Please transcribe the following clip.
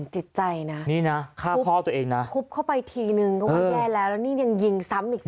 จิตใจนะนี่นะฆ่าพ่อตัวเองนะทุบเข้าไปทีนึงก็ว่าแย่แล้วแล้วนี่ยังยิงซ้ำอีก